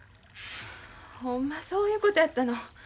ほんまそういうことやったの。